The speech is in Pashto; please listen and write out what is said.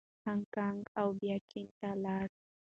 هانګکانګ او بیا چین ته لاړ.